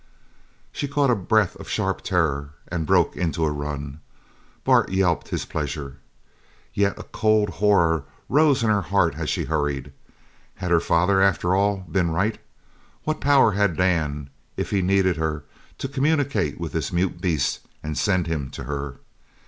She caught a breath of sharp terror and broke into a run. Bart yelped his pleasure. Yet a cold horror rose in her heart as she hurried. Had her father after all been right? What power had Dan, if he needed her, to communicate with this mute beast and send him to her?